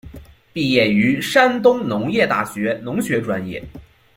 毕业于山东农业大学农学专业。